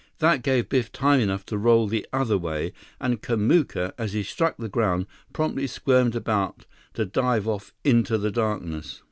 That gave Biff time enough to roll the other way, and Kamuka, as he struck the ground, promptly squirmed about to dive off into the darkness.